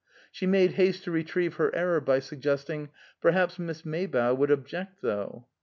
She made haste to retrieve her error by suggesting, "Perhaps Miss Maybough would object, though."